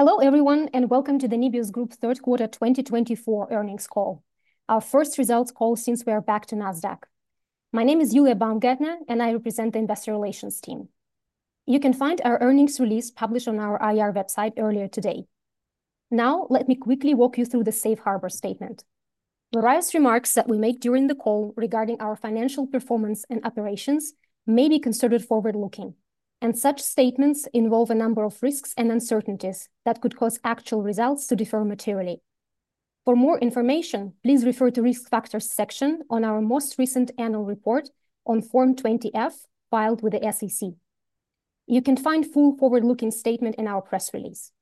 Hello everyone, and welcome to the Nebius Group's Third Quarter 2024 earnings call, our first results call since we are back to Nasdaq. My name is Yulia Baumgaertner, and I represent the Investor Relations team. You can find our earnings release published on our IR website earlier today. Now, let me quickly walk you through the Safe Harbor Statement. Various remarks that we make during the call regarding our financial performance and operations may be considered forward-looking, and such statements involve a number of risks and uncertainties that could cause actual results to differ materially. For more information, please refer to the Risk Factors section on our most recent annual report on Form 20-F filed with the SEC. You can find a full forward-looking statement in our press release.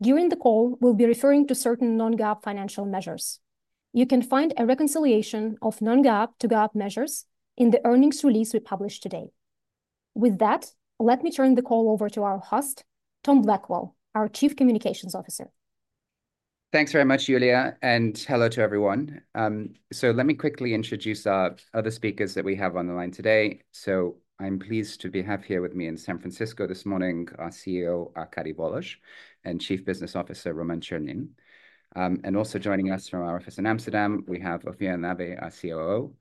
During the call, we'll be referring to certain non-GAAP financial measures. You can find a reconciliation of Non-GAAP to GAAP measures in the earnings release we published today. With that, let me turn the call over to our host, Tom Blackwell, our Chief Communications Officer. Thanks very much, Yulia, and hello to everyone. So let me quickly introduce our other speakers that we have on the line today. So I'm pleased to have here with me in San Francisco this morning, our CEO, Arkady Volozh, and Chief Business Officer, Roman Chernin. And also joining us from our office in Amsterdam, we have Ophir Nave, our COO,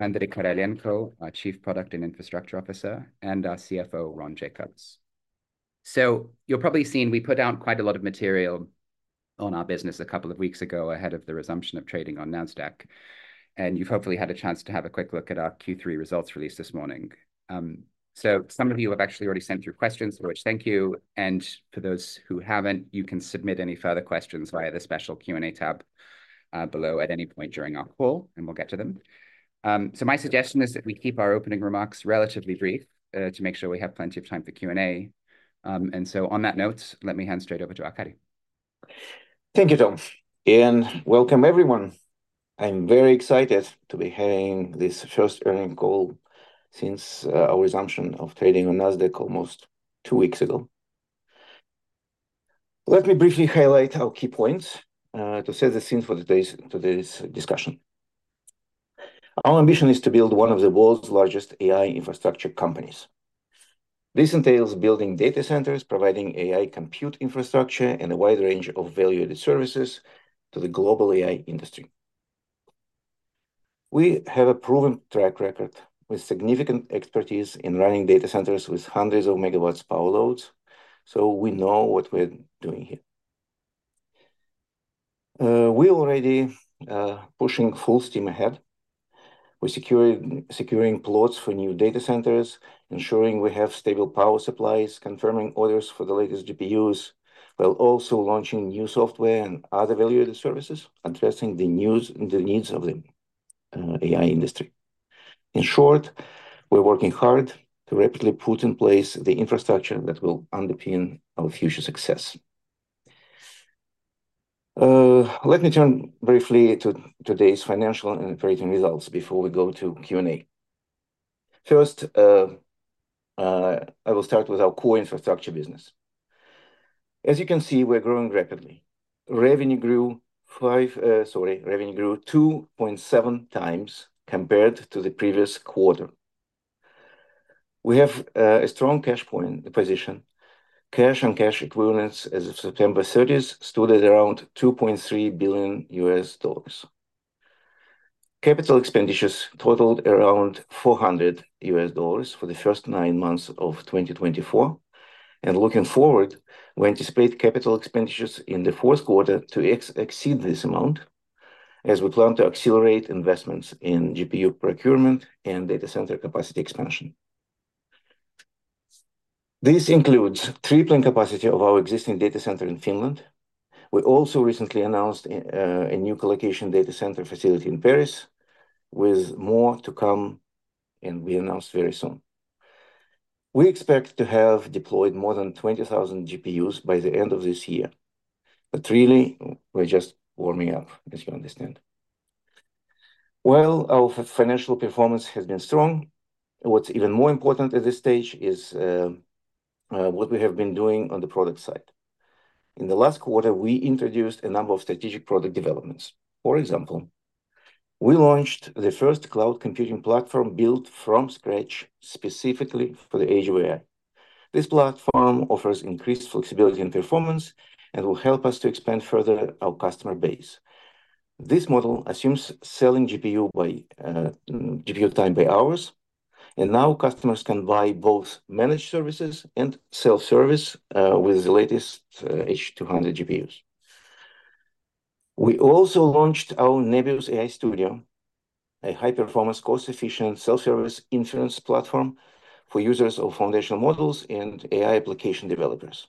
Andrey Korolenko, our Chief Product and Infrastructure Officer, and our CFO, Ron Jacobs. So you've probably seen we put out quite a lot of material on our business a couple of weeks ago ahead of the resumption of trading on Nasdaq, and you've hopefully had a chance to have a quick look at our Q3 results released this morning. So some of you have actually already sent through questions, for which thank you. And for those who haven't, you can submit any further questions via the special Q&A tab below at any point during our call, and we'll get to them. So my suggestion is that we keep our opening remarks relatively brief to make sure we have plenty of time for Q&A. And so on that note, let me hand straight over to Arkady. Thank you, Tom, and welcome everyone. I'm very excited to be having this first earnings call since our resumption of trading on Nasdaq almost two weeks ago. Let me briefly highlight our key points to set the scene for today's discussion. Our ambition is to build one of the world's largest AI infrastructure companies. This entails building data centers, providing AI compute infrastructure, and a wide range of value-added services to the global AI industry. We have a proven track record with significant expertise in running data centers with hundreds of megawatts power loads, so we know what we're doing here. We're already pushing full steam ahead. We're securing plots for new data centers, ensuring we have stable power supplies, confirming orders for the latest GPUs, while also launching new software and other value-added services, addressing the needs of the AI industry. In short, we're working hard to rapidly put in place the infrastructure that will underpin our future success. Let me turn briefly to today's financial and operating results before we go to Q&A. First, I will start with our core infrastructure business. As you can see, we're growing rapidly. Revenue grew 2.7 times compared to the previous quarter. We have a strong cash position. Cash and cash equivalents as of September 30 stood at around $2.3 billion. Capital expenditures totaled around $400 million for the first nine months of 2024. Looking forward, we anticipate capital expenditures in the fourth quarter to exceed this amount, as we plan to accelerate investments in GPU procurement and data center capacity expansion. This includes tripling the capacity of our existing data center in Finland. We also recently announced a new colocation data center facility in Paris, with more to come, and we announced very soon. We expect to have deployed more than 20,000 GPUs by the end of this year. But really, we're just warming up, as you understand. While our financial performance has been strong, what's even more important at this stage is what we have been doing on the product side. In the last quarter, we introduced a number of strategic product developments. For example, we launched the first cloud computing platform built from scratch specifically for the Age of AI. This platform offers increased flexibility and performance and will help us to expand further our customer base. This model assumes selling GPU time by hours, and now customers can buy both managed services and self-service with the latest H200 GPUs. We also launched our Nebius AI Studio, a high-performance, cost-efficient self-service inference platform for users of foundational models and AI application developers.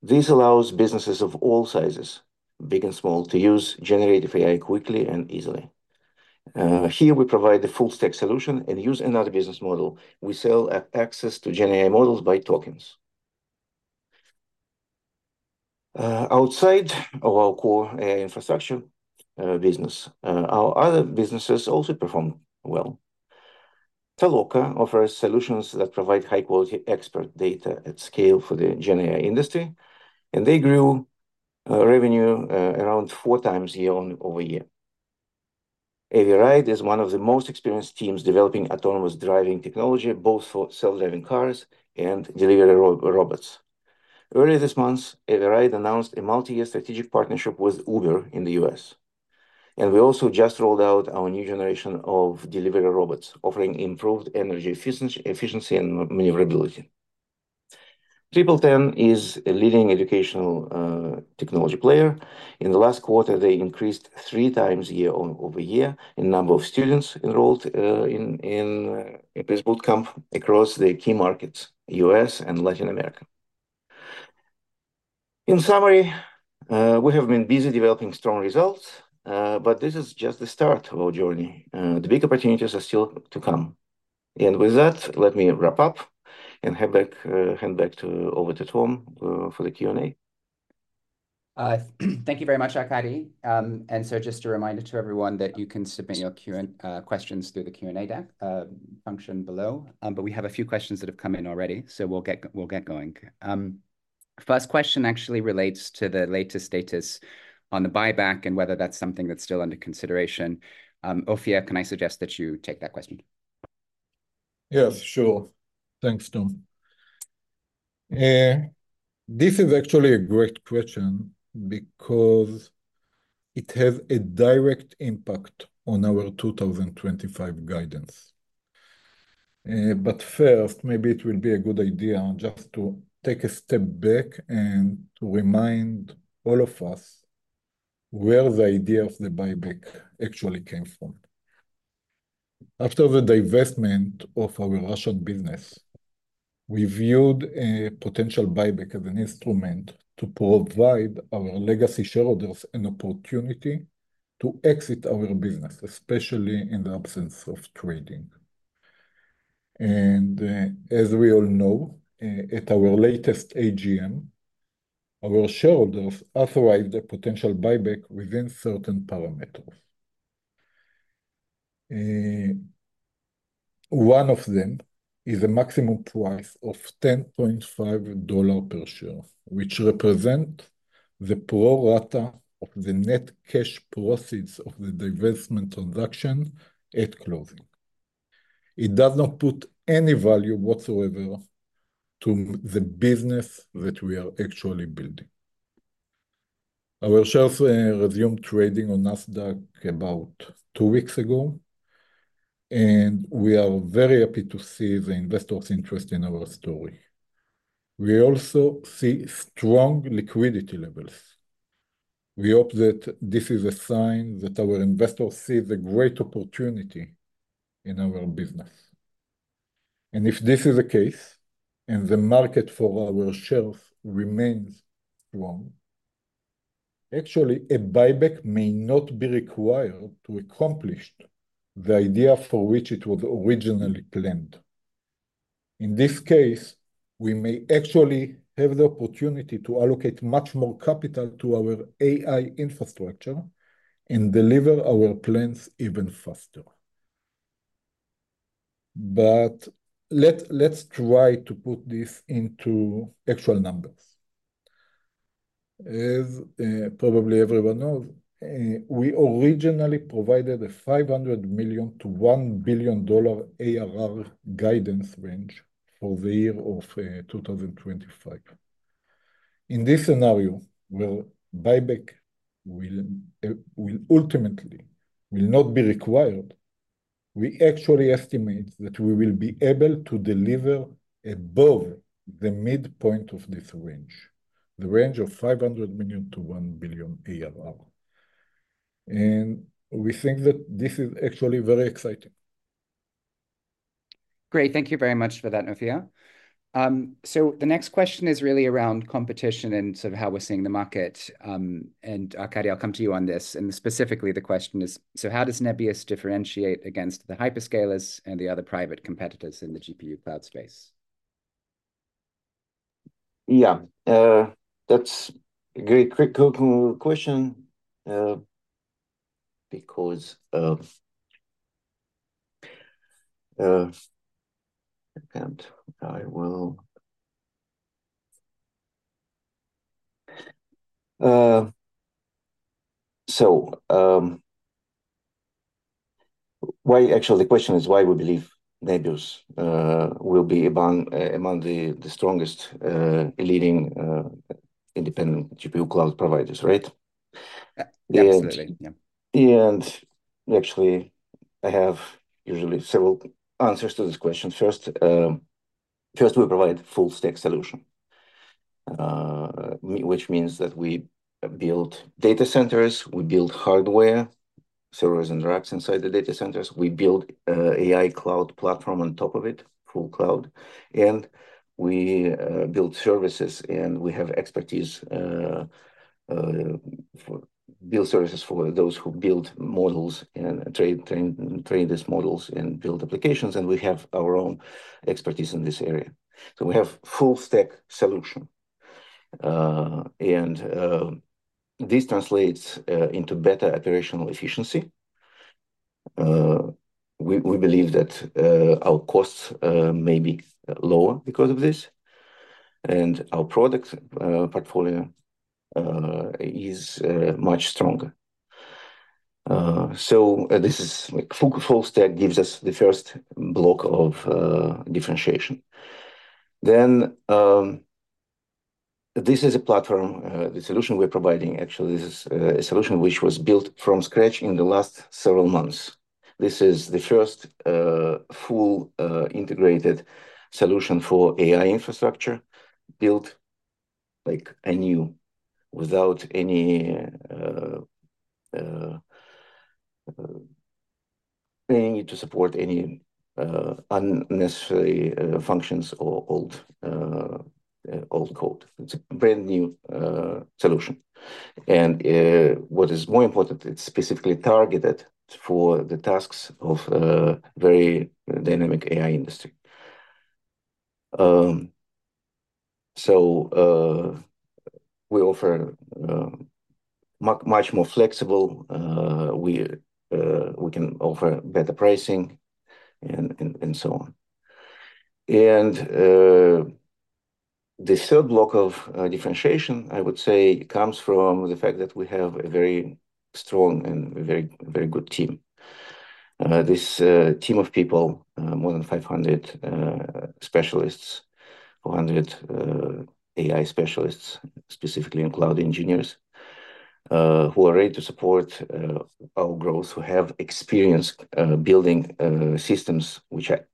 This allows businesses of all sizes, big and small, to use generative AI quickly and easily. Here, we provide the full-stack solution and use another business model. We sell access to GenAI models by tokens. Outside of our core AI infrastructure business, our other businesses also perform well. Toloka offers solutions that provide high-quality expert data at scale for the GenAI industry, and they grew revenue around four times year-on-year. Aviride is one of the most experienced teams developing autonomous driving technology, both for self-driving cars and delivery robots. Earlier this month, Aviride announced a multi-year strategic partnership with Uber in the U.S., and we also just rolled out our new generation of delivery robots, offering improved energy efficiency and maneuverability. TripleTen is a leading educational technology player. In the last quarter, they increased three times year-over-year in the number of students enrolled in this bootcamp across the key markets, U.S. and Latin America. In summary, we have been busy developing strong results, but this is just the start of our journey. The big opportunities are still to come, and with that, let me wrap up and hand back over to Tom for the Q&A. Thank you very much, Arkady. And so just a reminder to everyone that you can submit your questions through the Q&A function below. But we have a few questions that have come in already, so we'll get going. First question actually relates to the latest status on the buyback and whether that's something that's still under consideration. Ophir, can I suggest that you take that question? Yes, sure. Thanks, Tom. This is actually a great question because it has a direct impact on our 2025 guidance. But first, maybe it will be a good idea just to take a step back and to remind all of us where the idea of the buyback actually came from. After the divestment of our Russian business, we viewed a potential buyback as an instrument to provide our legacy shareholders an opportunity to exit our business, especially in the absence of trading. And as we all know, at our latest AGM, our shareholders authorized a potential buyback within certain parameters. One of them is a maximum price of $10.5 per share, which represents the pro rata of the net cash proceeds of the divestment transaction at closing. It does not put any value whatsoever to the business that we are actually building. Our shares resumed trading on Nasdaq about two weeks ago, and we are very happy to see the investors' interest in our story. We also see strong liquidity levels. We hope that this is a sign that our investors see the great opportunity in our business. And if this is the case and the market for our shares remains strong, actually a buyback may not be required to accomplish the idea for which it was originally planned. In this case, we may actually have the opportunity to allocate much more capital to our AI infrastructure and deliver our plans even faster. But let's try to put this into actual numbers. As probably everyone knows, we originally provided a $500 million-$1 billion ARR guidance range for the year of 2025. In this scenario, where buyback will ultimately not be required, we actually estimate that we will be able to deliver above the midpoint of this range, the range of $500 million-$1 billion ARR, and we think that this is actually very exciting. Great. Thank you very much for that, Ophir. So the next question is really around competition and sort of how we're seeing the market. And Arkady, I'll come to you on this. And specifically, the question is, so how does Nebius differentiate against the hyperscalers and the other private competitors in the GPU cloud space? Yeah, that's a great quick question. Because I will. So why actually the question is why we believe Nebius will be among the strongest leading independent GPU cloud providers, right? Yeah, absolutely. And actually, I have usually several answers to this question. First, we provide a full-stack solution, which means that we build data centers, we build hardware, servers and racks inside the data centers, we build an AI cloud platform on top of it, full cloud, and we build services, and we have expertise for those who build models and train these models and build applications, and we have our own expertise in this area. So we have a full-stack solution. And this translates into better operational efficiency. We believe that our costs may be lower because of this, and our product portfolio is much stronger. So this is full-stack gives us the first block of differentiation. Then this is a platform, the solution we're providing, actually, this is a solution which was built from scratch in the last several months. This is the first full integrated solution for AI infrastructure built like a new, without any need to support any unnecessary functions or old code. It's a brand new solution, and what is more important, it's specifically targeted for the tasks of a very dynamic AI industry, so we offer much more flexible. We can offer better pricing and so on, and the third block of differentiation, I would say, comes from the fact that we have a very strong and very good team. This team of people, more than 500 specialists, 400 AI specialists, specifically in cloud engineers, who are ready to support our growth, who have experience building systems which are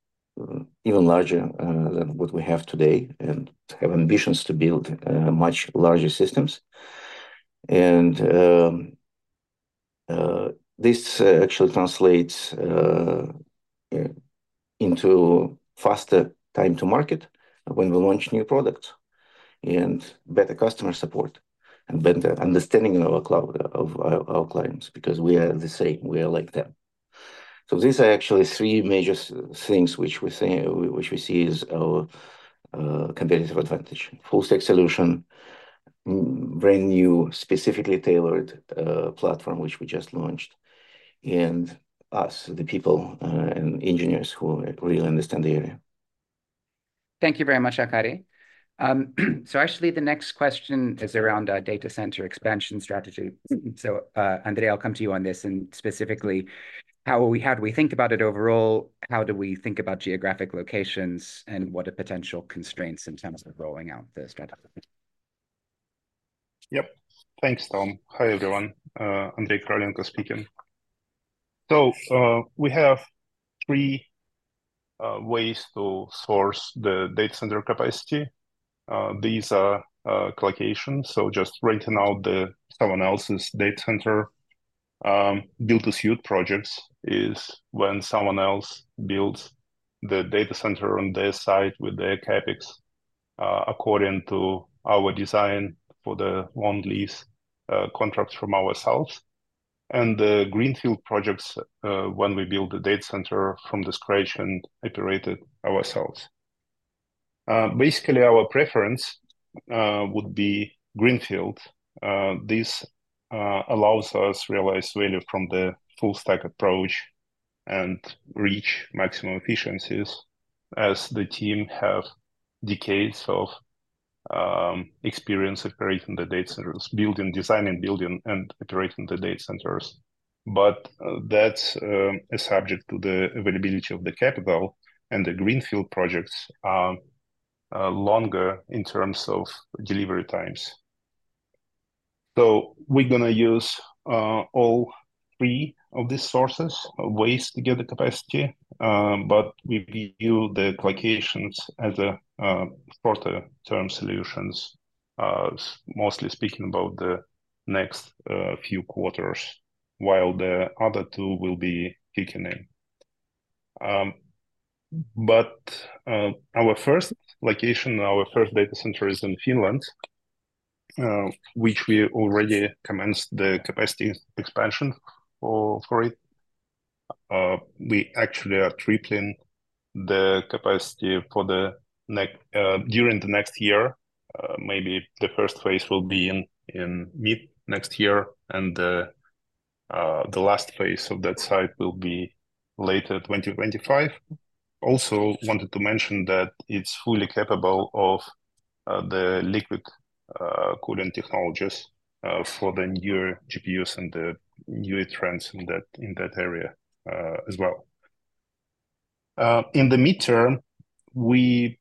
even larger than what we have today and have ambitions to build much larger systems. And this actually translates into faster time to market when we launch new products and better customer support and better understanding of our clients because we are the same. We are like them. So these are actually three major things which we see as our competitive advantage: full-stack solution, brand new, specifically tailored platform which we just launched, and us, the people and engineers who really understand the area. Thank you very much, Arkady. So actually, the next question is around data center expansion strategy. So Andrey, I'll come to you on this. And specifically, how do we think about it overall? How do we think about geographic locations and what are potential constraints in terms of rolling out the strategy? Yep. Thanks, Tom. Hi, everyone. Andrey Korolenko speaking. So we have three ways to source the data center capacity. These are colocations. So just co-locating in someone else's data center, build-to-suit projects is when someone else builds the data center on their site with their CapEx according to our design for the long lease contracts from ourselves. And the greenfield projects, when we build the data center from scratch and operate it ourselves. Basically, our preference would be greenfield. This allows us to realize value from the full-stack approach and reach maximum efficiencies as the team has decades of experience operating the data centers, building, designing, building, and operating the data centers. But that's subject to the availability of the capital, and the greenfield projects are longer in terms of delivery times. So we're going to use all three of these sources of ways to get the capacity, but we view the colocation as shorter-term solutions, mostly speaking about the next few quarters, while the other two will be kicking in. But our first location, our first data center, is in Finland, which we already commenced the capacity expansion for it. We actually are tripling the capacity for the next during the next year. Maybe the first phase will be in mid next year, and the last phase of that site will be later 2025. Also wanted to mention that it's fully capable of the liquid cooling technologies for the newer GPUs and the newer trends in that area as well. In the midterm, we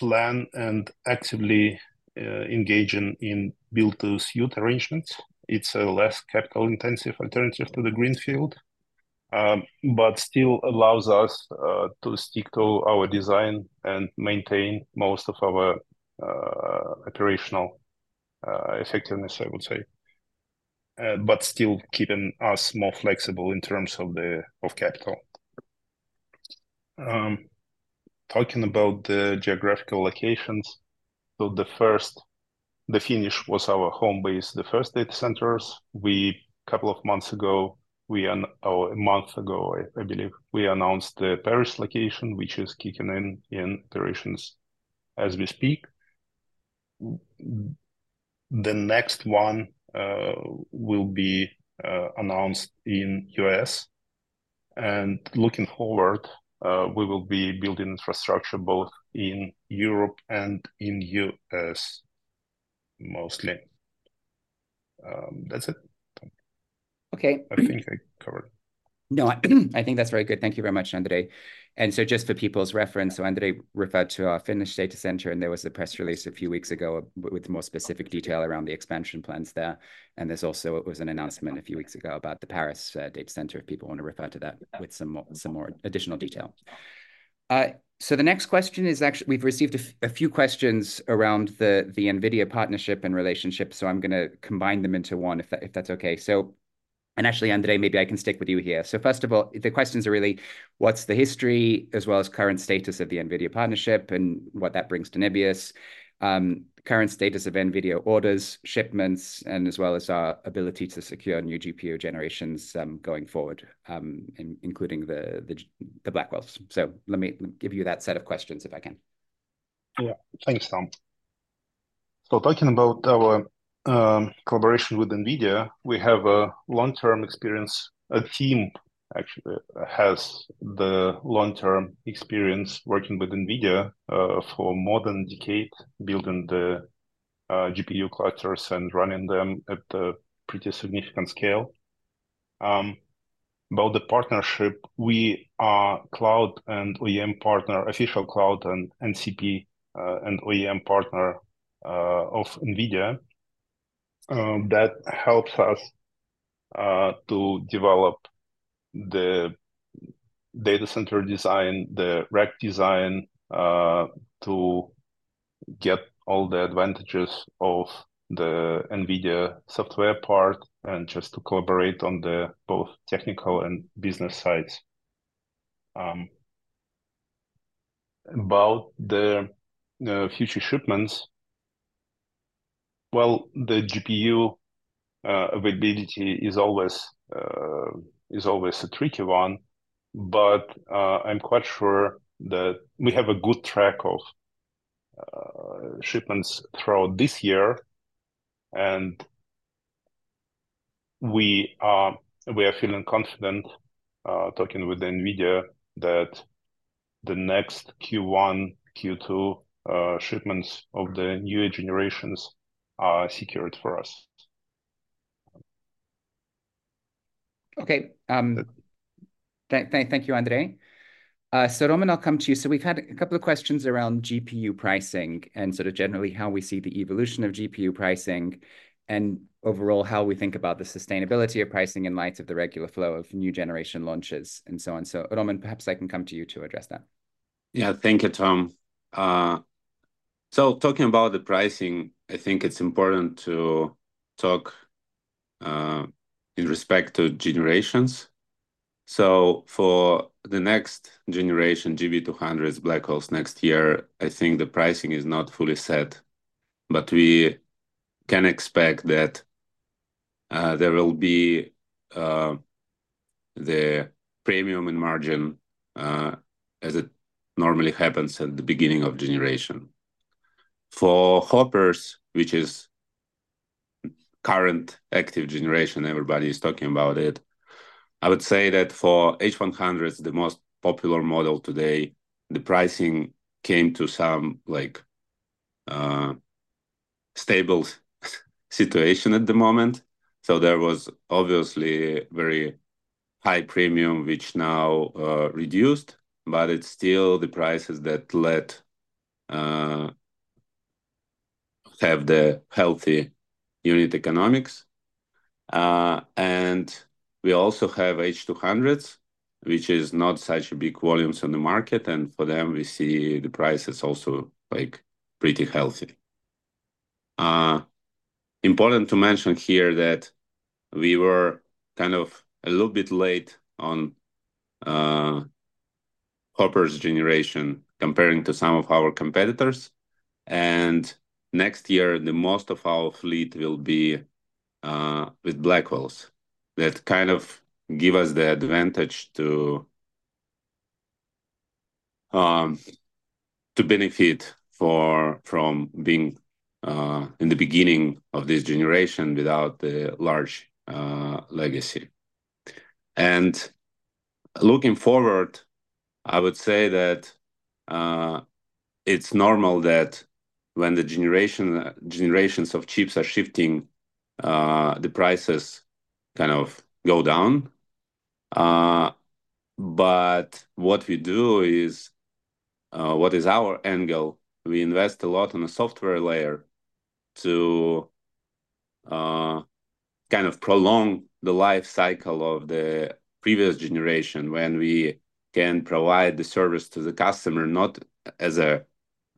plan and actively engage in build-to-suit arrangements. It's a less capital-intensive alternative to the greenfield, but still allows us to stick to our design and maintain most of our operational effectiveness, I would say, but still keeping us more flexible in terms of capital. Talking about the geographical locations, so the first, the Finland was our home base, the first data centers. A couple of months ago, I believe, we announced the Paris location, which is kicking in operations as we speak. The next one will be announced in the US. Looking forward, we will be building infrastructure both in Europe and in the U.S. mostly. That's it. Okay. I think I covered. No, I think that's very good. Thank you very much, Andrey, and so just for people's reference, Andrey referred to our Finnish data center, and there was a press release a few weeks ago with more specific detail around the expansion plans there, and there's also an announcement a few weeks ago about the Paris data center if people want to refer to that with some more additional detail, so the next question is actually we've received a few questions around the NVIDIA partnership and relationship, so I'm going to combine them into one if that's okay, and actually, Andrey, maybe I can stick with you here. So first of all, the questions are really, what's the history as well as current status of the NVIDIA partnership and what that brings to Nebius, current status of NVIDIA orders, shipments, and as well as our ability to secure new GPU generations going forward, including the Blackwells. So let me give you that set of questions if I can. Yeah, thanks, Tom. So talking about our collaboration with NVIDIA, we have a long-term experience. A team actually has the long-term experience working with NVIDIA for more than a decade, building the GPU clusters and running them at a pretty significant scale. About the partnership, we are cloud and OEM partner, official cloud and NCP and OEM partner of NVIDIA. That helps us to develop the data center design, the rack design, to get all the advantages of the NVIDIA software part and just to collaborate on both technical and business sides. About the future shipments, well, the GPU availability is always a tricky one, but I'm quite sure that we have a good track of shipments throughout this year. And we are feeling confident talking with NVIDIA that the next Q1, Q2 shipments of the newer generations are secured for us. Okay. Thank you, Andrey. So Roman, I'll come to you. So we've had a couple of questions around GPU pricing and sort of generally how we see the evolution of GPU pricing and overall how we think about the sustainability of pricing in light of the regular flow of new generation launches and so on. So Roman, perhaps I can come to you to address that. Yeah, thank you, Tom. So talking about the pricing, I think it's important to talk in respect to generations. So for the next generation, GB200, Blackwell's next year, I think the pricing is not fully set, but we can expect that there will be the premium and margin as it normally happens at the beginning of generation. For Hopper, which is current active generation, everybody is talking about it. I would say that for H100s, the most popular model today, the pricing came to some stable situation at the moment. So there was obviously very high premium, which now reduced, but it's still the prices that let have the healthy unit economics. And we also have H200s, which is not such a big volume on the market. And for them, we see the prices also pretty healthy. Important to mention here that we were kind of a little bit late on Hopper's generation compared to some of our competitors, and next year, most of our fleet will be with Blackwells. That kind of gives us the advantage to benefit from being in the beginning of this generation without the large legacy, and looking forward, I would say that it's normal that when the generations of chips are shifting, the prices kind of go down, but what we do is what is our angle. We invest a lot on the software layer to kind of prolong the life cycle of the previous generation when we can provide the service to the customer not as a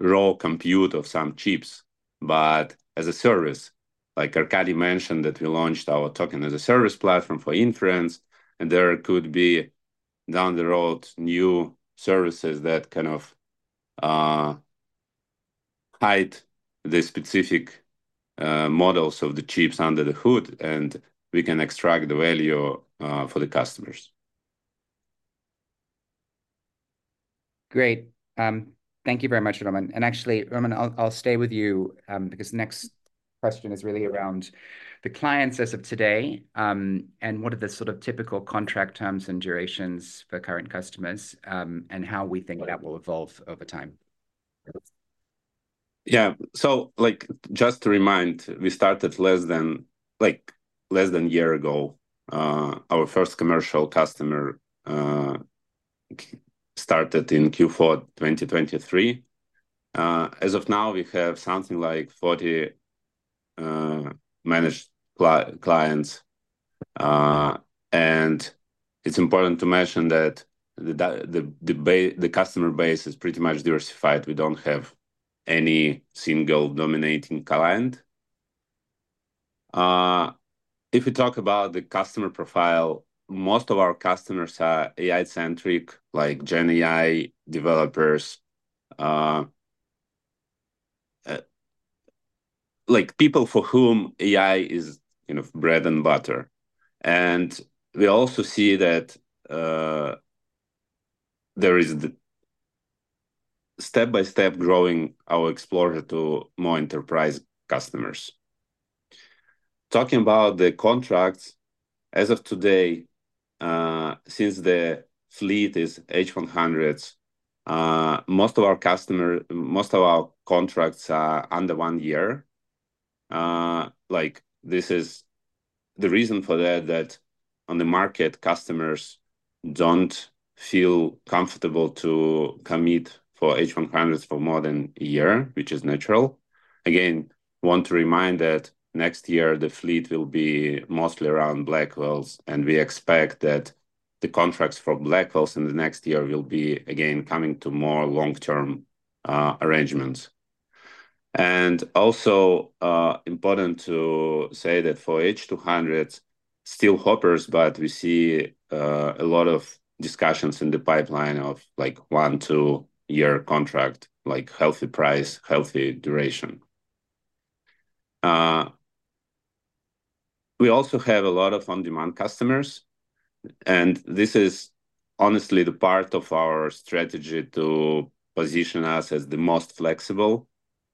raw compute of some chips, but as a service. Like Arkady mentioned that we launched our token as a service platform for inference, and there could be down the road new services that kind of hide the specific models of the chips under the hood, and we can extract the value for the customers. Great. Thank you very much, Roman. And actually, Roman, I'll stay with you because the next question is really around the clients as of today and what are the sort of typical contract terms and durations for current customers and how we think that will evolve over time. Yeah. So just to remind, we started less than a year ago. Our first commercial customer started in Q4 2023. As of now, we have something like 40 managed clients. And it's important to mention that the customer base is pretty much diversified. We don't have any single dominating client. If we talk about the customer profile, most of our customers are AI-centric, like GenAI developers, people for whom AI is kind of bread and butter. And we also see that there is step-by-step growing our exposure to more enterprise customers. Talking about the contracts, as of today, since the fleet is H100s, most of our customers, most of our contracts are under one year. This is the reason for that, that on the market, customers don't feel comfortable to commit for H100s for more than a year, which is natural. Again, I want to remind that next year, the fleet will be mostly around Blackwells, and we expect that the contracts for Blackwells in the next year will be again coming to more long-term arrangements, and also important to say that for H200s, still Hoppers, but we see a lot of discussions in the pipeline of one- to two-year contract, healthy price, healthy duration. We also have a lot of on-demand customers, and this is honestly the part of our strategy to position us as the most flexible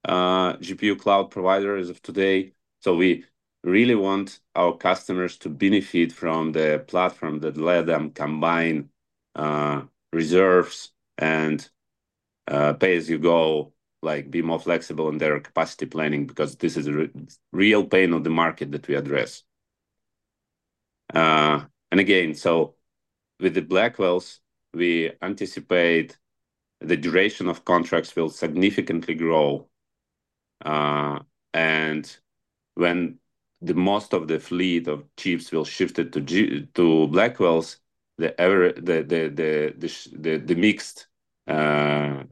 GPU cloud provider as of today, so we really want our customers to benefit from the platform that let them combine reserves and pay as you go, be more flexible in their capacity planning because this is a real pain of the market that we address, and again, so with the Blackwells, we anticipate the duration of contracts will significantly grow. When most of the fleet of chips will shift to Blackwell, the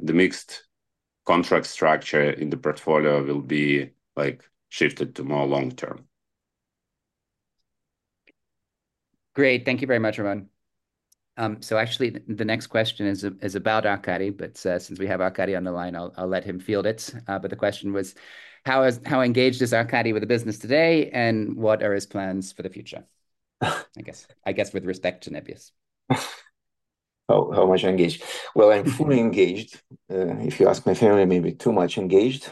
mixed contract structure in the portfolio will be shifted to more long-term. Great. Thank you very much, Roman. So actually, the next question is about Arkady, but since we have Arkady on the line, I'll let him field it. But the question was, how engaged is Arkady with the business today, and what are his plans for the future? I guess with respect to Nebius. How much engaged? Well, I'm fully engaged. If you ask my family, maybe too much engaged.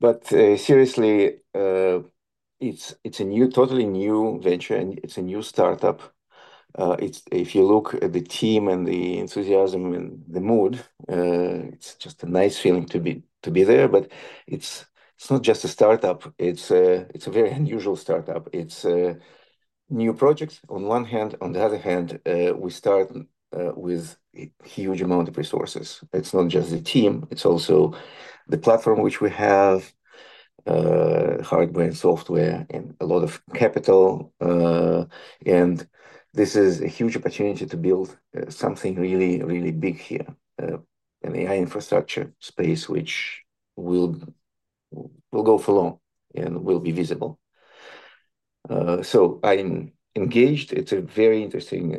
But seriously, it's a totally new venture, and it's a new startup. If you look at the team and the enthusiasm and the mood, it's just a nice feeling to be there. But it's not just a startup. It's a very unusual startup. It's a new project on one hand. On the other hand, we start with a huge amount of resources. It's not just the team. It's also the platform, which we have, hardware and software, and a lot of capital. And this is a huge opportunity to build something really, really big here, an AI infrastructure space, which will go for long and will be visible. So I'm engaged. It's a very interesting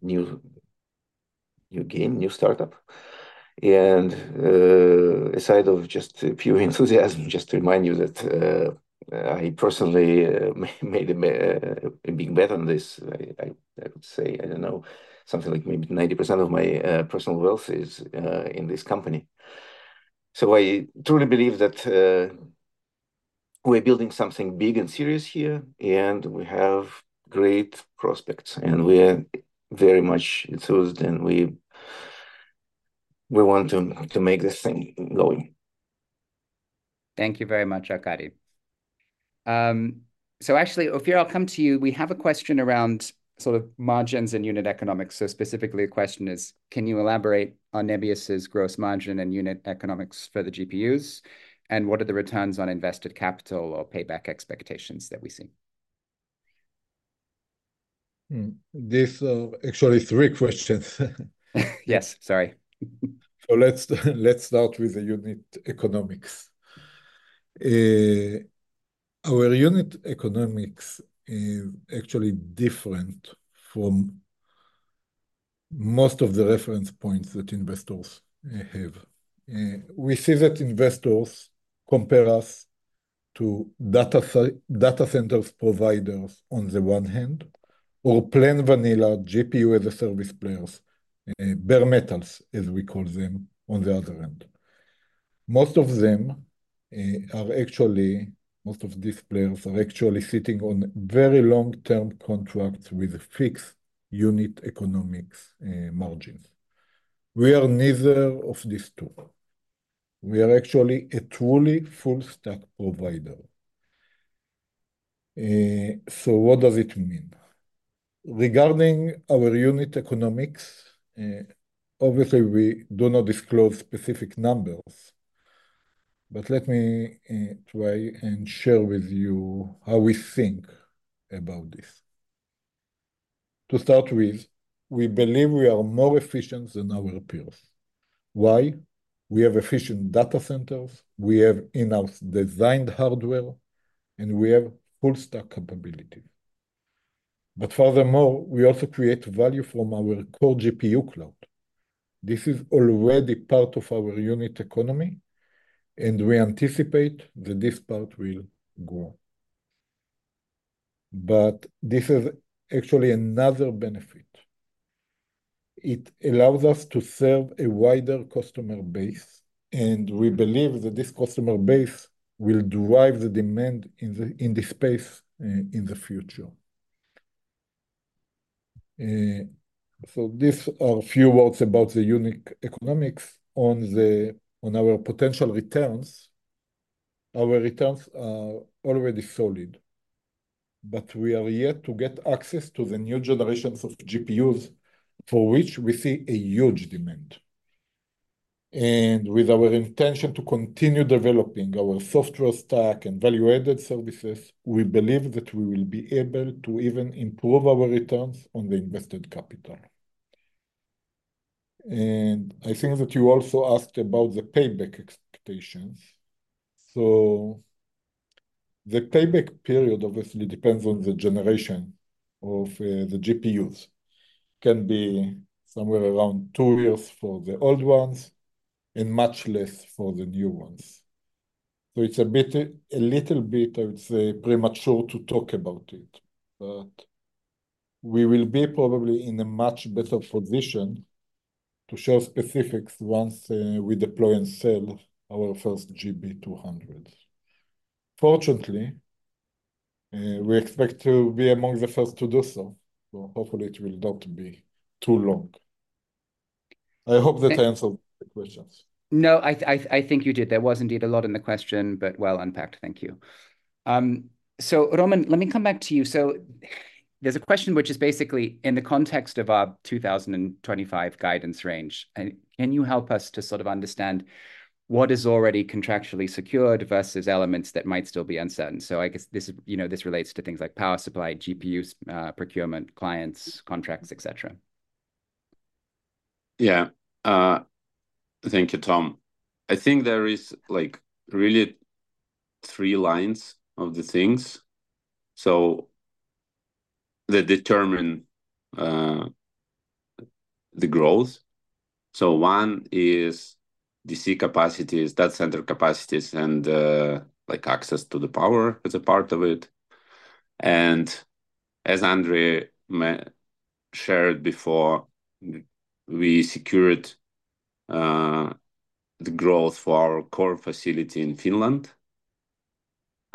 new game, new startup. Aside from just a few enthusiasts, just to remind you that I personally made a big bet on this. I would say, I don't know, something like maybe 90% of my personal wealth is in this company. So I truly believe that we're building something big and serious here, and we have great prospects, and we're very much enthused, and we want to make this thing going. Thank you very much, Arkady. So actually, Ophir, I'll come to you. We have a question around sort of margins and unit economics. So specifically, the question is, can you elaborate on Nebius's gross margin and unit economics for the GPUs, and what are the returns on invested capital or payback expectations that we see? This is actually three questions. Yes, sorry. So let's start with the unit economics. Our unit economics is actually different from most of the reference points that investors have. We see that investors compare us to data centers providers on the one hand, or plain vanilla GPU as a service players, bare metals, as we call them, on the other hand. Most of them are actually, most of these players are actually sitting on very long-term contracts with fixed unit economics margins. We are neither of these two. We are actually a truly full-stack provider. So what does it mean? Regarding our unit economics, obviously, we do not disclose specific numbers, but let me try and share with you how we think about this. To start with, we believe we are more efficient than our peers. Why? We have efficient data centers. We have in-house designed hardware, and we have full-stack capabilities. But furthermore, we also create value from our core GPU cloud. This is already part of our unit economics, and we anticipate that this part will grow. But this is actually another benefit. It allows us to serve a wider customer base, and we believe that this customer base will drive the demand in the space in the future. So these are a few words about the unit economics on our potential returns. Our returns are already solid, but we are yet to get access to the new generations of GPUs for which we see a huge demand. And with our intention to continue developing our software stack and value-added services, we believe that we will be able to even improve our returns on the invested capital. And I think that you also asked about the payback expectations. So the payback period obviously depends on the generation of the GPUs. It can be somewhere around two years for the old ones and much less for the new ones. So it's a little bit, I would say, premature to talk about it, but we will be probably in a much better position to share specifics once we deploy and sell our first GB200s. Fortunately, we expect to be among the first to do so. So hopefully, it will not be too long. I hope that I answered the questions. No, I think you did. There was indeed a lot in the question, but well unpacked. Thank you. So Roman, let me come back to you. So there's a question which is basically in the context of our 2025 guidance range. Can you help us to sort of understand what is already contractually secured versus elements that might still be uncertain? So I guess this relates to things like power supply, GPUs, procurement, clients, contracts, etc. Yeah. Thank you, Tom. I think there is really three lines of the things that determine the growth. One is DC capacities, data center capacities, and access to the power as a part of it. As Andrey shared before, we secured the growth for our core facility in Finland.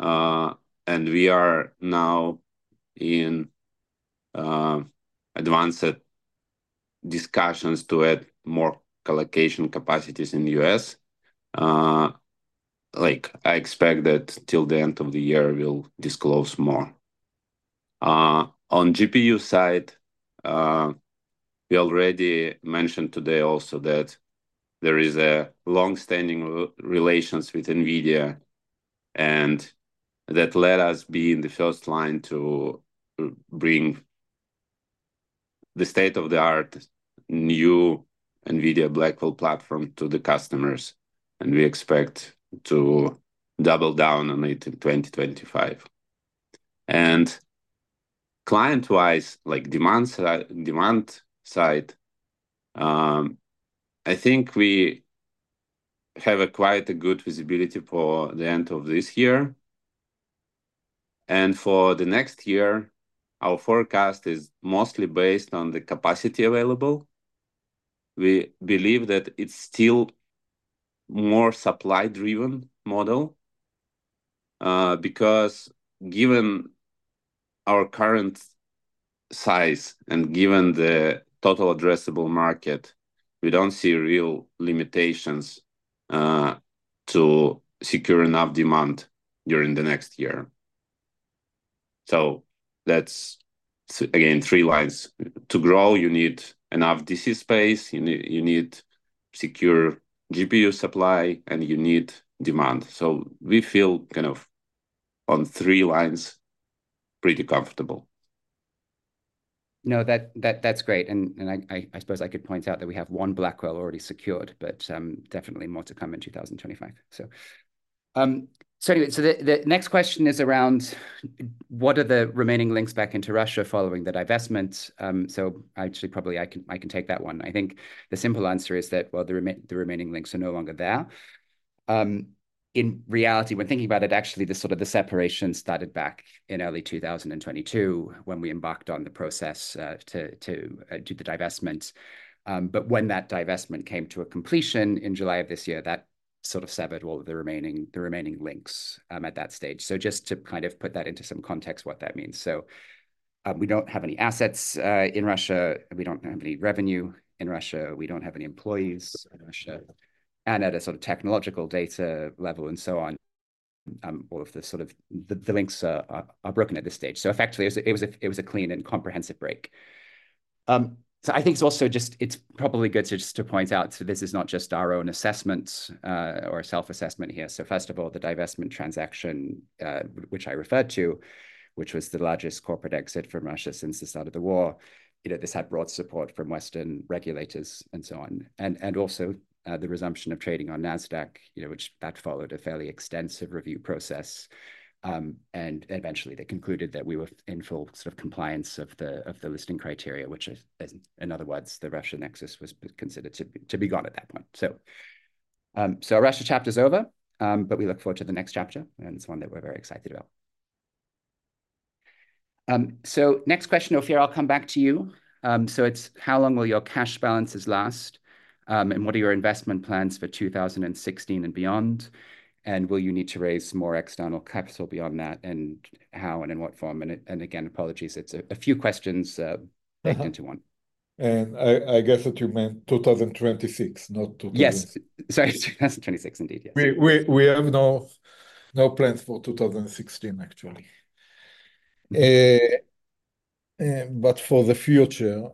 We are now in advanced discussions to add more colocation capacities in the U.S. I expect that till the end of the year, we'll disclose more. On GPU side, we already mentioned today also that there is a long-standing relationship with NVIDIA, and that let us be in the first line to bring the state-of-the-art new NVIDIA Blackwell platform to the customers, and we expect to double down on it in 2025. Client-wise, demand side, I think we have quite a good visibility for the end of this year. For the next year, our forecast is mostly based on the capacity available. We believe that it's still a more supply-driven model because given our current size and given the total addressable market, we don't see real limitations to secure enough demand during the next year. That's, again, three lines. To grow, you need enough DC space. You need secure GPU supply, and you need demand. We feel kind of on three lines pretty comfortable. No, that's great, and I suppose I could point out that we have one Blackwell already secured, but definitely more to come in 2025. So anyway, so the next question is around what are the remaining links back into Russia following the divestment. So actually, probably I can take that one. I think the simple answer is that, well, the remaining links are no longer there. In reality, when thinking about it, actually, the separation started back in early 2022 when we embarked on the process to do the divestment. But when that divestment came to a completion in July of this year, that sort of severed all of the remaining links at that stage. So just to kind of put that into some context, what that means. So we don't have any assets in Russia. We don't have any revenue in Russia. We don't have any employees in Russia. At a sort of technological data level and so on, all of the links are broken at this stage. Effectively, it was a clean and comprehensive break. I think it's also just, it's probably good to just point out that this is not just our own assessment or self-assessment here. First of all, the divestment transaction, which I referred to, which was the largest corporate exit from Russia since the start of the war, this had broad support from Western regulators and so on. Also the resumption of trading on Nasdaq, which that followed a fairly extensive review process. Eventually, they concluded that we were in full sort of compliance of the listing criteria, which in other words, the Russian nexus was considered to be gone at that point. So our Russia chapter is over, but we look forward to the next chapter, and it's one that we're very excited about. So next question, Ophir, I'll come back to you. So it's, how long will your cash balances last? And what are your investment plans for 2016 and beyond? And will you need to raise more external capital beyond that? And how and in what form? And again, apologies, it's a few questions packed into one. I guess that you meant 2026, not 2016. Yes. Sorry, 2026 indeed. We have no plans for 2016, actually, but for the future,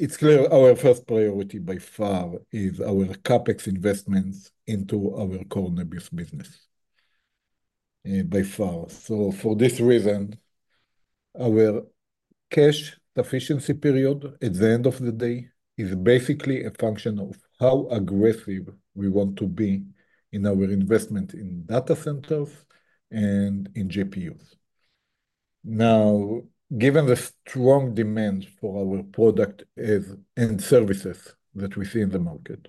it's clear our first priority by far is our CapEx investments into our core Nebius business by far, so for this reason, our cash efficiency period at the end of the day is basically a function of how aggressive we want to be in our investment in data centers and in GPUs. Now, given the strong demand for our product and services that we see in the market,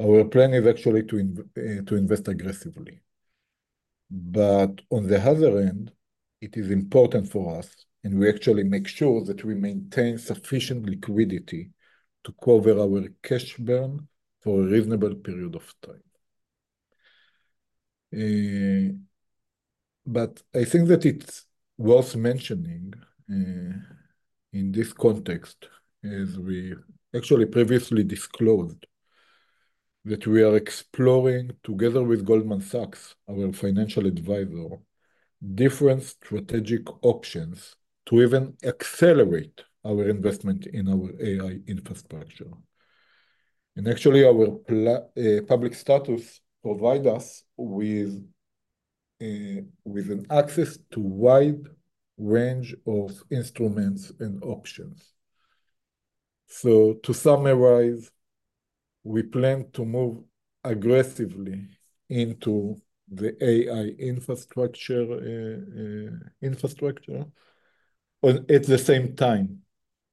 our plan is actually to invest aggressively, but on the other end, it is important for us, and we actually make sure that we maintain sufficient liquidity to cover our cash burn for a reasonable period of time. I think that it's worth mentioning in this context, as we actually previously disclosed, that we are exploring, together with Goldman Sachs, our financial advisor, different strategic options to even accelerate our investment in our AI infrastructure. Actually, our public status provides us with access to a wide range of instruments and options. To summarize, we plan to move aggressively into the AI infrastructure at the same time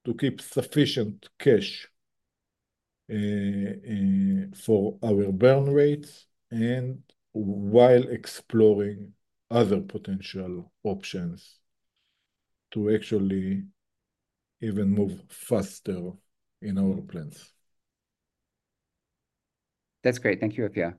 to keep sufficient cash for our burn rates and while exploring other potential options to actually even move faster in our plans. That's great. Thank you, Ophir.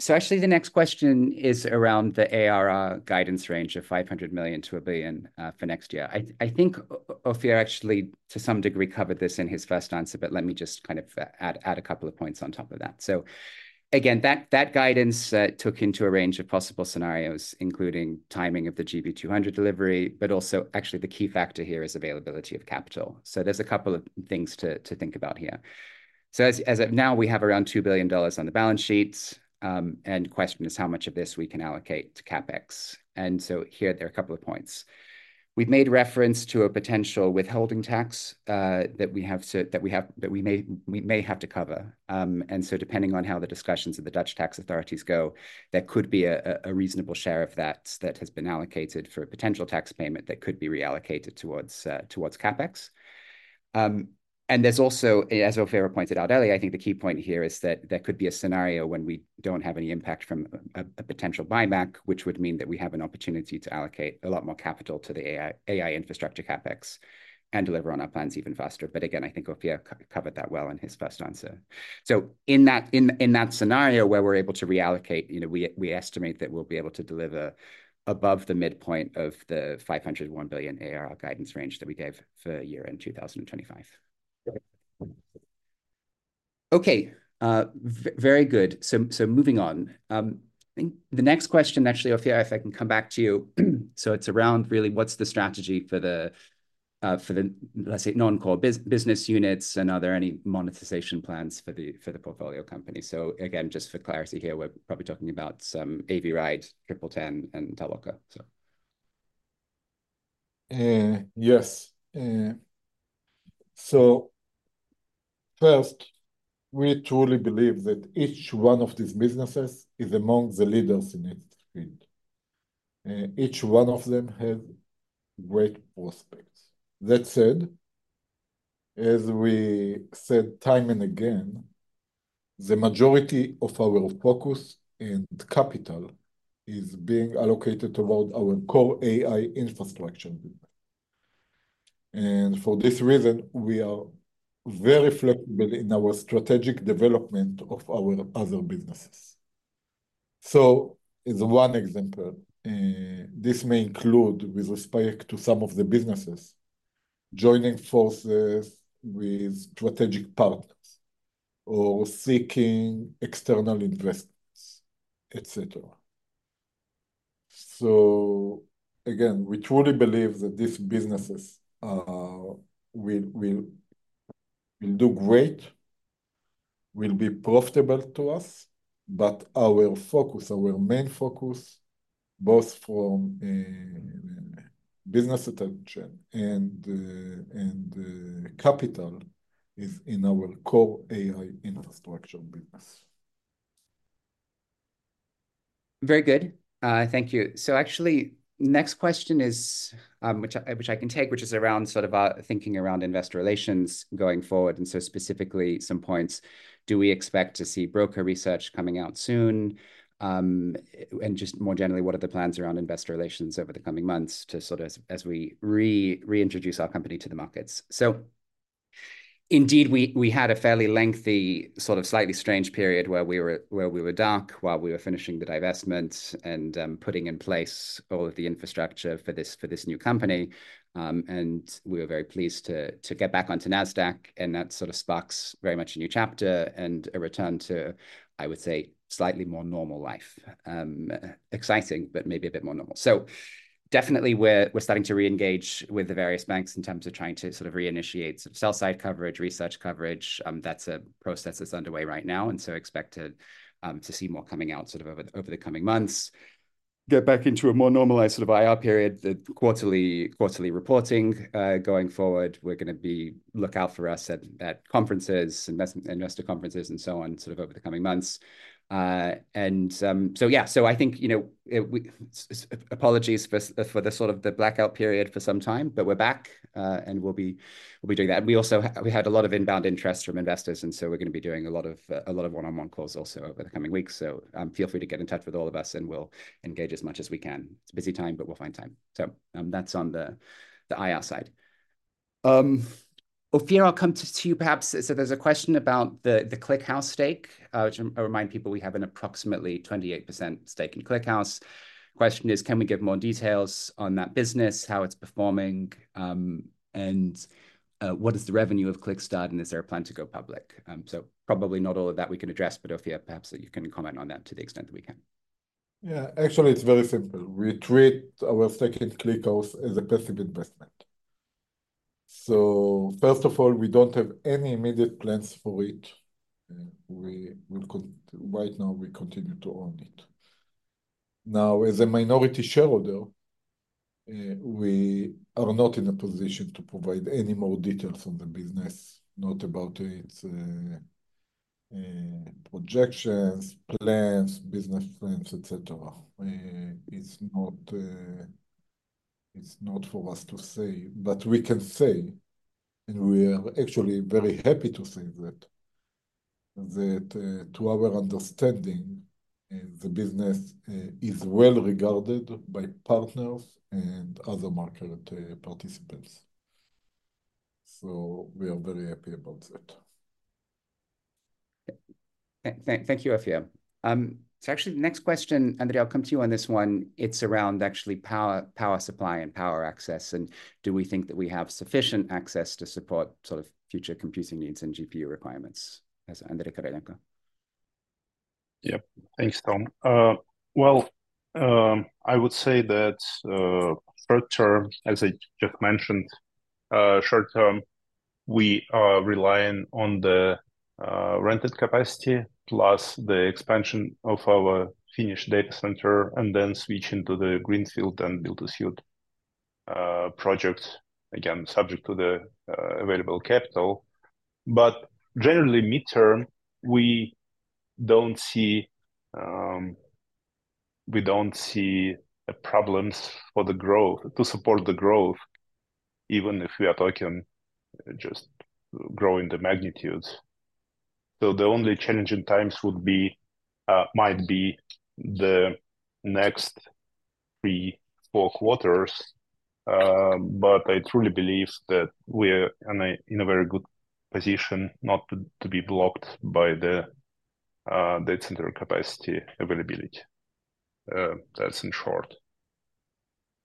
So actually, the next question is around the ARR guidance range of $500 million-$1 billion for next year. I think Ophir actually, to some degree, covered this in his first answer, but let me just kind of add a couple of points on top of that. So again, that guidance took into a range of possible scenarios, including timing of the GB200 delivery, but also actually the key factor here is availability of capital. So there's a couple of things to think about here. So as of now, we have around $2 billion on the balance sheets, and the question is how much of this we can allocate to CapEx. And so here, there are a couple of points. We've made reference to a potential withholding tax that we have that we may have to cover. Depending on how the discussions of the Dutch tax authorities go, there could be a reasonable share of that that has been allocated for a potential tax payment that could be reallocated towards CapEx. There's also, as Ophir pointed out earlier, I think the key point here is that there could be a scenario when we don't have any impact from a potential buyback, which would mean that we have an opportunity to allocate a lot more capital to the AI infrastructure CapEx and deliver on our plans even faster. But again, I think Ophir covered that well in his first answer. In that scenario where we're able to reallocate, we estimate that we'll be able to deliver above the midpoint of the $500 million-$1 billion ARR guidance range that we gave for a year in 2025. Okay. Very good. So moving on, I think the next question, actually, Ophir, if I can come back to you. So it's around really what's the strategy for the, let's say, non-core business units, and are there any monetization plans for the portfolio company? So again, just for clarity here, we're probably talking about some Aviride, TripleTen, and Toloka. Yes. So first, we truly believe that each one of these businesses is among the leaders in its field. Each one of them has great prospects. That said, as we said time and again, the majority of our focus and capital is being allocated toward our core AI infrastructure. And for this reason, we are very flexible in our strategic development of our other businesses. So as one example, this may include with respect to some of the businesses joining forces with strategic partners or seeking external investments, etc. So again, we truly believe that these businesses will do great, will be profitable to us, but our focus, our main focus, both from business attention and capital is in our core AI infrastructure business. Very good. Thank you. So actually, next question is, which I can take, which is around sort of our thinking around investor relations going forward. And so specifically, some points, do we expect to see broker research coming out soon? And just more generally, what are the plans around investor relations over the coming months to sort of as we reintroduce our company to the markets? So indeed, we had a fairly lengthy, sort of slightly strange period where we were dark while we were finishing the divestment and putting in place all of the infrastructure for this new company. And we were very pleased to get back onto Nasdaq, and that sort of sparks very much a new chapter and a return to, I would say, slightly more normal life. Exciting, but maybe a bit more normal. So definitely, we're starting to reengage with the various banks in terms of trying to sort of reinitiate sort of sell-side coverage, research coverage. That's a process that's underway right now, and so expected to see more coming out sort of over the coming months. Get back into a more normalized sort of IR period. The quarterly reporting going forward, we're going to be looking out for us at conferences, investor conferences, and so on sort of over the coming months. And so yeah, so I think, apologies for the sort of the blackout period for some time, but we're back, and we'll be doing that. And we also had a lot of inbound interest from investors, and so we're going to be doing a lot of one-on-one calls also over the coming weeks. So feel free to get in touch with all of us, and we'll engage as much as we can. It's a busy time, but we'll find time. So that's on the IR side. Ophir, I'll come to you perhaps. So there's a question about the ClickHouse stake, which I'll remind people we have an approximately 28% stake in ClickHouse. The question is, can we give more details on that business, how it's performing, and what is the revenue of ClickHouse, and is there a plan to go public? So probably not all of that we can address, but Ophir, perhaps that you can comment on that to the extent that we can. Yeah, actually, it's very simple. We treat our second ClickHouse as a passive investment. So first of all, we don't have any immediate plans for it. Right now, we continue to own it. Now, as a minority shareholder, we are not in a position to provide any more details on the business, not about its projections, plans, business plans, etc. It's not for us to say, but we can say, and we are actually very happy to say that, that to our understanding, the business is well regarded by partners and other market participants. So we are very happy about that. Thank you, Ophir. So actually, the next question, Andrey, I'll come to you on this one. It's around actually power supply and power access, and do we think that we have sufficient access to support sort of future computing needs and GPU requirements? As Andrey Korolenko. Yep. Thanks, Tom. Well, I would say that short term, as I just mentioned, short term, we are relying on the rented capacity plus the expansion of our Finnish data center and then switching to the greenfield and build-to-suit projects, again, subject to the available capital. But generally, midterm, we don't see problems for the growth to support the growth, even if we are talking just growing the magnitudes. So the only challenging times would be, might be the next three, four quarters, but I truly believe that we are in a very good position not to be blocked by the data center capacity availability. That's in short.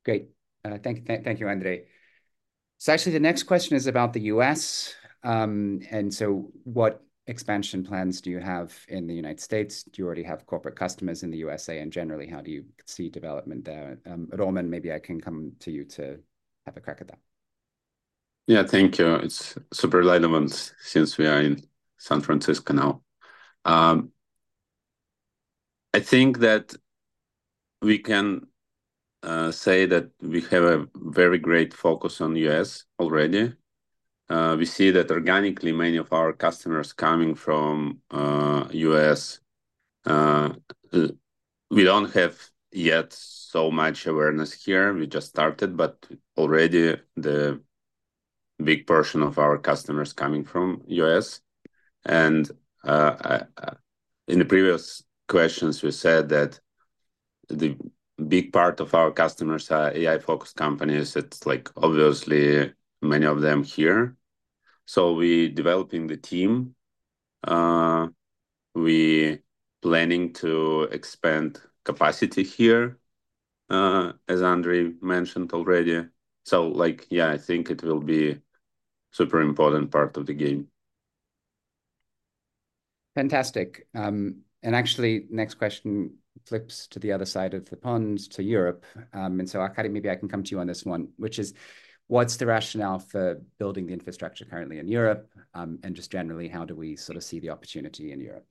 Great. Thank you, Andrey. So actually, the next question is about the U.S. And so what expansion plans do you have in the United States? Do you already have corporate customers in the USA? And generally, how do you see development there? Roman, maybe I can come to you to have a crack at that. Yeah, thank you. It's super relevant since we are in San Francisco now. I think that we can say that we have a very great focus on the U.S. already. We see that organically many of our customers coming from the U.S. We don't have yet so much awareness here. We just started, but already the big portion of our customers are coming from the U.S., and in the previous questions, we said that the big part of our customers are AI-focused companies. It's like obviously many of them here, so we are developing the team. We are planning to expand capacity here, as Andrey mentioned already, so yeah, I think it will be a super important part of the game. Fantastic. And actually, the next question flips to the other side of the pond, to Europe. And so Arkady, maybe I can come to you on this one, which is what's the rationale for building the infrastructure currently in Europe? And just generally, how do we sort of see the opportunity in Europe?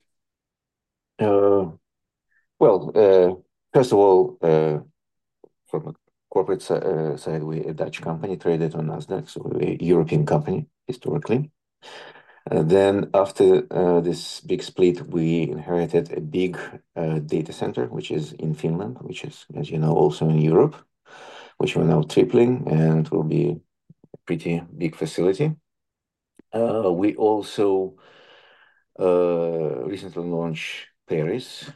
First of all, from a corporate side, we are a Dutch company traded on Nasdaq, so we're a European company historically. Then after this big split, we inherited a big data center, which is in Finland, which is, as you know, also in Europe, which we're now tripling and will be a pretty big facility. We also recently launched Paris.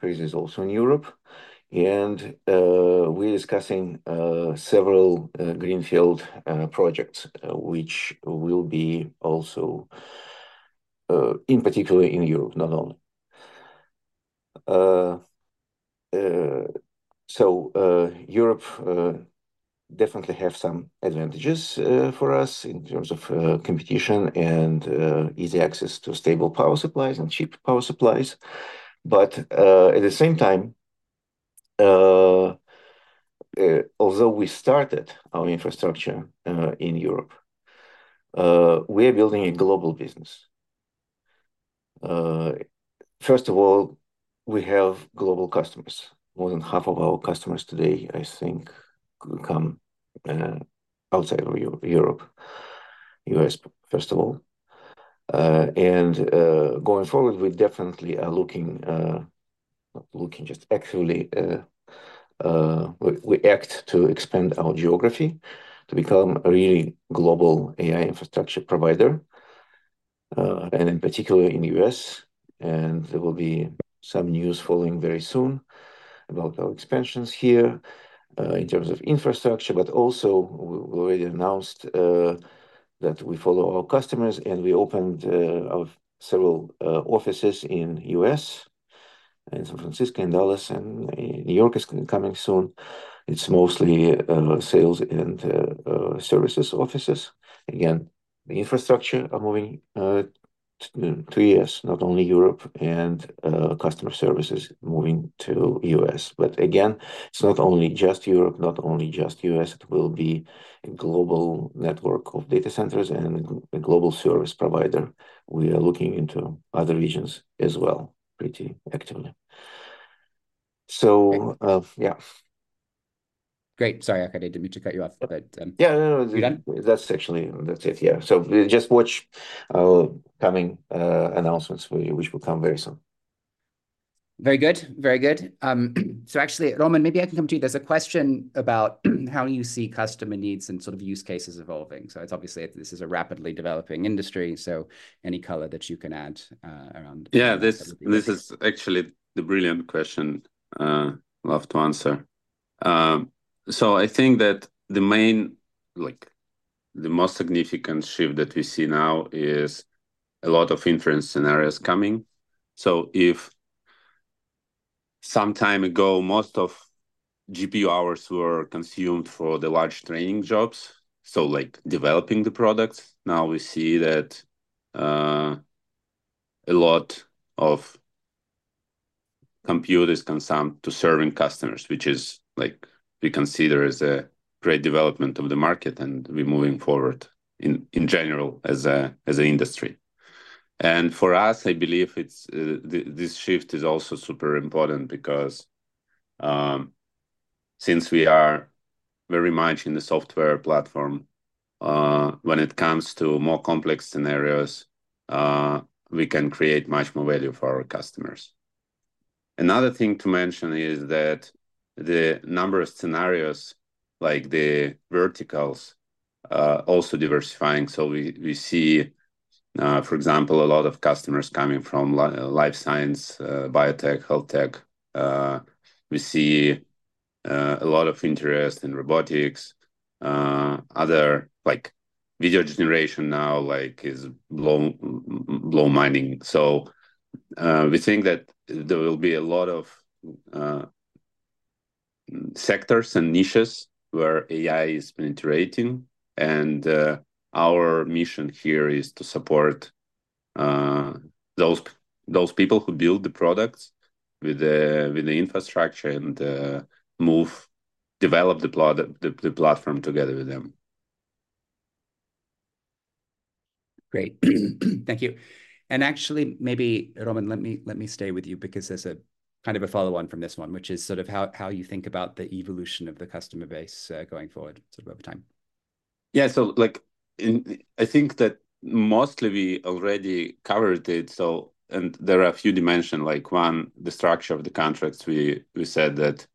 Paris is also in Europe. And we're discussing several greenfield projects, which will be also in particular in Europe, not only. So Europe definitely has some advantages for us in terms of competition and easy access to stable power supplies and cheap power supplies. But at the same time, although we started our infrastructure in Europe, we are building a global business. First of all, we have global customers. More than half of our customers today, I think, come outside of Europe, US, first of all. Going forward, we definitely are looking not looking, just actually, we act to expand our geography to become a really global AI infrastructure provider, and in particular in the U.S. There will be some news following very soon about our expansions here in terms of infrastructure, but also we already announced that we follow our customers and we opened several offices in the U.S. and San Francisco and Dallas, and New York is coming soon. It's mostly sales and services offices. Again, the infrastructure are moving to the U.S., not only Europe and customer services moving to the U.S. But again, it's not only just Europe, not only just the U.S. It will be a global network of data centers and a global service provider. We are looking into other regions as well pretty actively. So yeah. Great. Sorry, Akhari, I didn't mean to cut you off, but. Yeah, no, no, that's actually it. Yeah. So just watch our coming announcements, which will come very soon. Very good. Very good. So actually, Roman, maybe I can come to you. There's a question about how you see customer needs and sort of use cases evolving. So it's obviously this is a rapidly developing industry, so any color that you can add around. Yeah, this is actually the brilliant question I love to answer. So I think that the main, the most significant shift that we see now is a lot of inference scenarios coming. So if some time ago, most of GPU hours were consumed for the large training jobs, so like developing the products, now we see that a lot of compute consumed to serving customers, which is like we consider as a great development of the market and we're moving forward in general as an industry. And for us, I believe this shift is also super important because since we are very much in the software platform, when it comes to more complex scenarios, we can create much more value for our customers. Another thing to mention is that the number of scenarios, like the verticals, also diversifying. So we see, for example, a lot of customers coming from life science, biotech, health tech. We see a lot of interest in robotics. Other like video generation now is blooming. So we think that there will be a lot of sectors and niches where AI is penetrating. And our mission here is to support those people who build the products with the infrastructure and develop the platform together with them. Great. Thank you. And actually, maybe, Roman, let me stay with you because there's a kind of a follow-on from this one, which is sort of how you think about the evolution of the customer base going forward sort of over time. Yeah, so I think that mostly we already covered it. And there are a few dimensions, like one, the structure of the contracts. We said that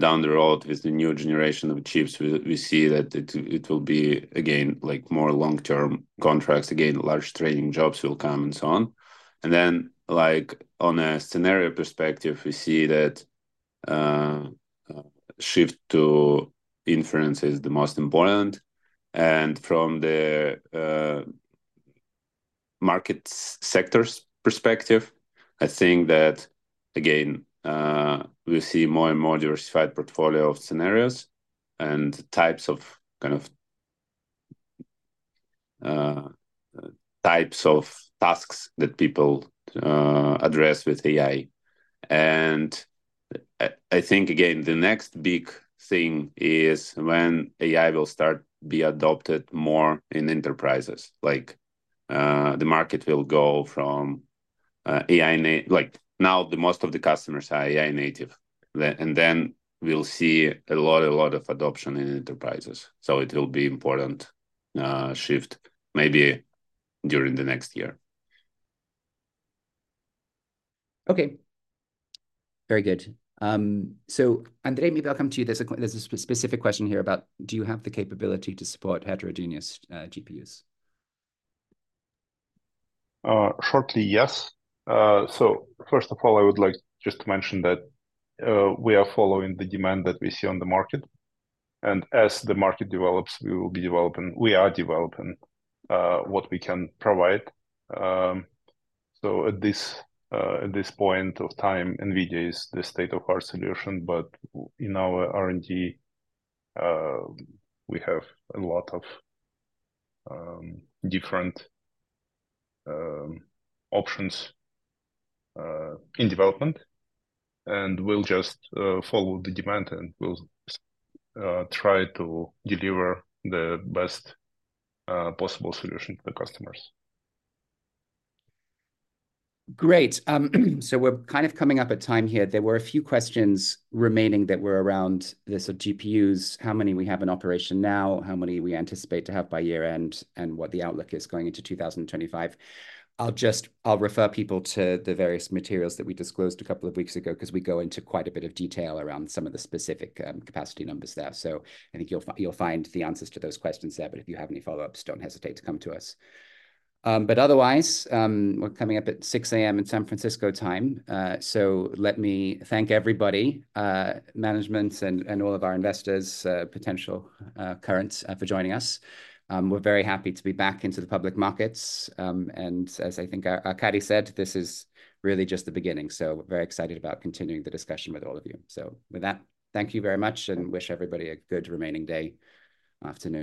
down the road with the new generation of chips, we see that it will be again more long-term contracts, again, large training jobs will come and so on. And then on a scenario perspective, we see that shift to inference is the most important. And from the market sectors perspective, I think that again, we see more and more diversified portfolio of scenarios and types of kind of types of tasks that people address with AI. And I think, again, the next big thing is when AI will start to be adopted more in enterprises, like the market will go from AI, like now most of the customers are AI native. And then we'll see a lot of adoption in enterprises. It will be an important shift maybe during the next year. Okay. Very good. So Andrey, maybe I'll come to you. There's a specific question here about do you have the capability to support heterogeneous GPUs? Shortly, yes. So first of all, I would like just to mention that we are following the demand that we see on the market. And as the market develops, we will be developing, we are developing what we can provide. So at this point of time, NVIDIA is the state-of-the-art solution, but in our R&D, we have a lot of different options in development. And we'll just follow the demand and we'll try to deliver the best possible solution for the customers. Great. So we're kind of coming up at time here. There were a few questions remaining that were around this of GPUs, how many we have in operation now, how many we anticipate to have by year-end, and what the outlook is going into 2025. I'll refer people to the various materials that we disclosed a couple of weeks ago because we go into quite a bit of detail around some of the specific capacity numbers there. So I think you'll find the answers to those questions there, but if you have any follow-ups, don't hesitate to come to us. But otherwise, we're coming up at 6:00 A.M. in San Francisco time. So let me thank everybody, management and all of our investors, current and potential, for joining us. We're very happy to be back into the public markets. And as I think Arkady said, this is really just the beginning. We're very excited about continuing the discussion with all of you. With that, thank you very much and wish everybody a good remaining day afternoon.